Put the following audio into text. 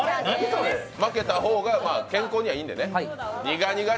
負けた方がね、健康にはいいんでね。